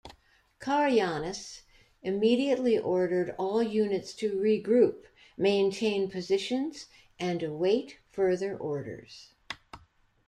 Karayiannis immediately ordered all units to regroup, maintain positions and await further orders.